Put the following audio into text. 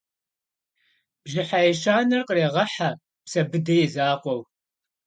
Бжьыхьэ ещанэр къырегъэхьэ Псэбыдэ и закъуэу.